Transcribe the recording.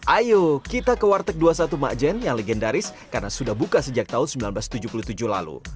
ayo kita ke warteg dua puluh satu makjen yang legendaris karena sudah buka sejak tahun seribu sembilan ratus tujuh puluh tujuh lalu